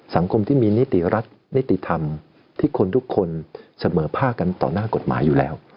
สังคมที่มีนิติรัฐนิติธรรมที่คนทุกคนเสมอภาคกันต่อหน้ากฎหมายอยู่แล้ว